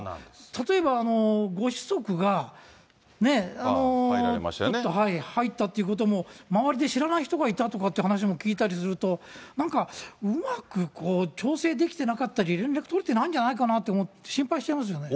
例えばご子息が入ったっていうことも、周りで知らない人がいたとかって話も聞いたりすると、なんか、うまく調整できてなかったり、連絡取れてないんじゃないかなと思って、心配しちゃいますよね。